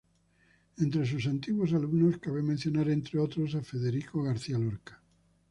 Entre sus antiguos alumnos cabe mencionar, entre otros, a Federico García Lorca.